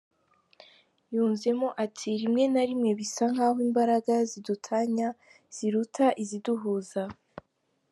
Yunzemo ati “Rimwe na rimwe bisa nk’aho imbaraga zidutanya ziruta iziduhuza.